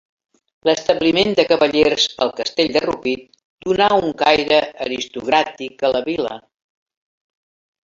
L'establiment de Cavallers al Castell de Rupit donà un caire aristocràtic a la vila.